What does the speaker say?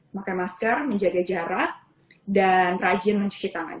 pakai masker menjaga jarak dan rajin mencuci tangan